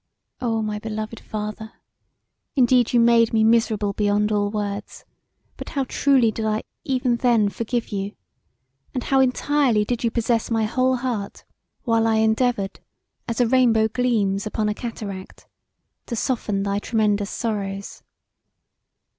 Oh, my beloved father! Indeed you made me miserable beyond all words, but how truly did I even then forgive you, and how entirely did you possess my whole heart while I endeavoured, as a rainbow gleams upon a cataract,[D] to soften thy tremendous sorrows.